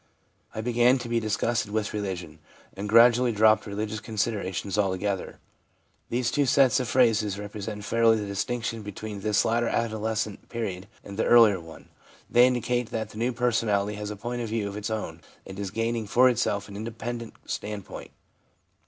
I began to be disgusted with religion, and gradually dropped religious considerations altogether/ These two sets of phrases represent fairly the dis tinction between this later adolescent period and the earlier one. They indicate that the new personality has a point of view of its own, and is gaining for itself an independent standpoint.